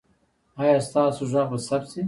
ایا ستاسو غږ به ثبت شي؟